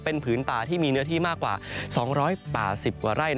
เป็นผืนป่าที่มีเนื้อที่มากกว่า๒๘๐กว่าไร่